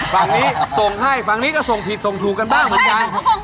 ฝั่งนี้ส่งให้ฝั่งนี้ก็ส่งผิดส่งถูกกันบ้างเหมือนกัน